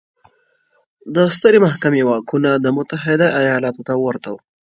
د سترې محکمې واکونه د متحده ایالتونو ته ورته وو.